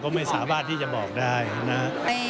ก็ไม่สามารถที่จะบอกได้นะ